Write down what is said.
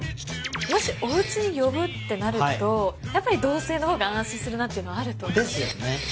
もしおうちに呼ぶってなるとやっぱり同性の方が安心するなっていうのはあるとですよね